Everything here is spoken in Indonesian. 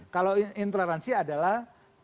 kalau intoleransi adalah